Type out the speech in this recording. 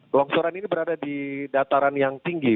longsoran ini berada di dataran yang tinggi